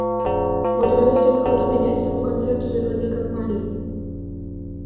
Бо давялося на хаду мяняць саму канцэпцыю гэтай кампаніі.